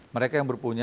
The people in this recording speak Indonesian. mereka yang berpunya